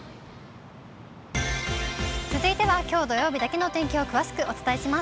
続いてはきょう土曜日だけの天気を詳しくお伝えします。